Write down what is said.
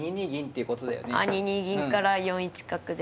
２二銀から４一角で。